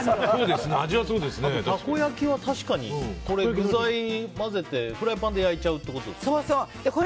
たこ焼きは、確かにこれは具材を混ぜてフライパンで焼いちゃうってことですか？